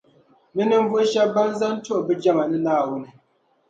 Ni ninvuɣu shεba ban zani n-tuhi bɛ jama ni Naawuni.